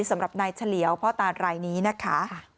สำหรับนายเฉลียวพ่อตารายนี้นะคะ